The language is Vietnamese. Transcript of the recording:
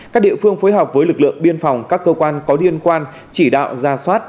các địa phương phối hợp với lực lượng biên phòng các cơ quan có liên quan chỉ đạo ra soát